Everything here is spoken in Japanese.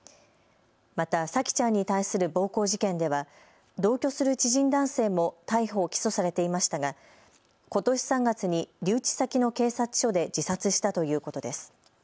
また沙季ちゃんに対する暴行事件では同居する知人男性も逮捕・起訴されていましたがことし３月に留置先の警察署で自殺したということです。